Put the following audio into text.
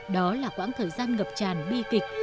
đó là quãng thời gian ngập tràn bi kịch